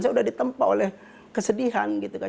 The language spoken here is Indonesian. saya sudah ditempa oleh kesedihan gitu kan